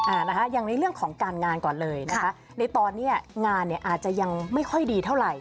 อ่านะคะอย่างในเรื่องของการงานก่อนเลยนะคะในตอนเนี้ยงานเนี่ยอาจจะยังไม่ค่อยดีเท่าไหร่